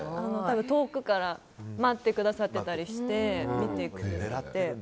遠くから待ってくださってたりして見てくれて。